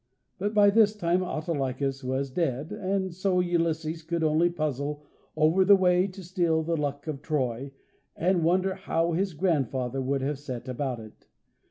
But by this time Autolycus was dead, and so Ulysses could only puzzle over the way to steal the Luck of Troy, and wonder how his grandfather would have set about it.